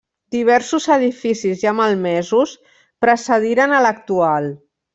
Diversos edificis ja malmesos precediren a l'actual.